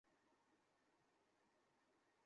তাই Abu Usman এই হাসপাতালটিকে তার ঘাঁটি বানিয়েছে।